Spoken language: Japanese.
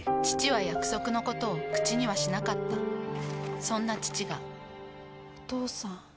父は約束のことを口にはしなかったそんな父がお父さん。